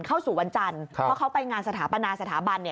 เข้าสู่วันจันทร์เพราะเขาไปงานสถาปนาสถาบันเนี่ย